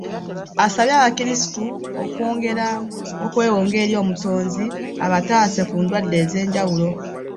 Asabye abakirisitu okwongera okwewonga eri omutonzi abataase ku ndwadde ez’enjawulo.